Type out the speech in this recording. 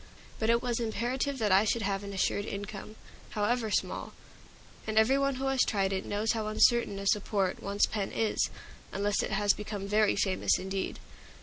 But it was imperative that I should have an assured income, however small; and every one who has tried it knows how uncertain a support one's pen is, unless it has become very famous indeed.